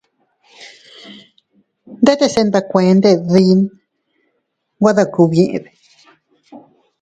¡Ndetes nbekuended dii nwe deb kugbyiʼide!